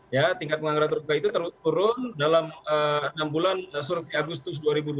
ya tingkat pengangguran terbuka itu turun dalam enam bulan survei agustus dua ribu dua puluh